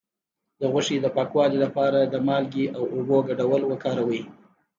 د غوښې د پاکوالي لپاره د مالګې او اوبو ګډول وکاروئ